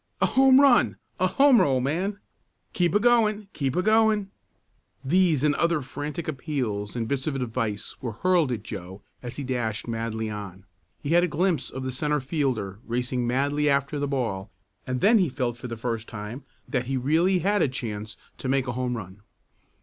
"A home run! A homer, old man!" "Keep a going! Keep a going!" These and other frantic appeals and bits of advice were hurled at Joe as he dashed madly on. He had a glimpse of the centre fielder racing madly after the ball, and then he felt for the first time that he really had a chance to make a home run.